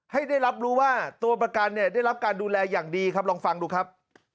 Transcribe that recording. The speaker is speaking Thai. ให้ได้รับรู้ว่าตัวประกันเนี่ยได้รับการดูแลอย่างดีครับลองฟังดูครับ